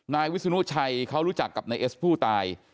นายวิศนุชัยเขารู้จักกับนายเอสผู้ตาย